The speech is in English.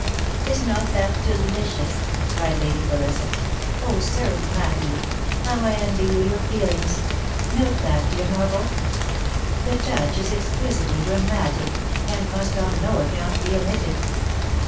" Is not that delicious V cried Lady Clarissa. " Oh, Sir Mat thew ! how I envy you your feelings ! Note that, dear Norval. The touch is exquisitely dramatic, and must on no account be omitted.